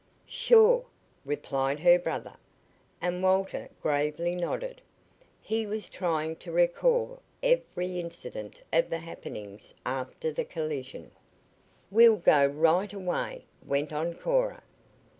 "Sure," replied her brother, and Walter gravely nodded. He was trying to recall every incident of the happenings after the collision. "We'll go right away," went on Cora.